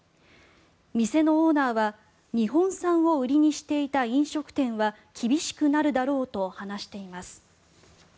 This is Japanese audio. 店のオーナーは日本産を売りにしていた飲食店は厳しくなるだろうと話しています。